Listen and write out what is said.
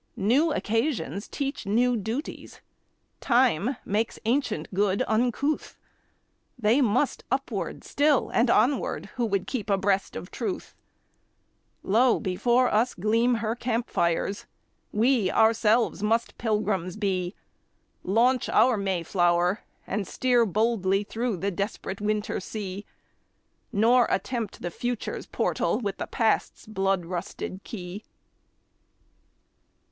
New occasions teach new duties; Time makes ancient good uncouth; They must upward still, and onward, who would keep abreast of Truth; Lo, before us gleam her camp fires! we ourselves must Pilgrims be, Launch our Mayflower, and steer boldly through the desperate winter sea, Nor attempt the Future's portal with the Past's blood rusted key.